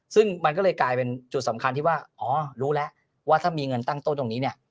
ซึ่งมันก็เลยกลายเป็นจุดสำคัญที่ว่าอ๋อรู้แล้วว่าถ้ามีเงินตั้งต้นตรงนี้เนี่ย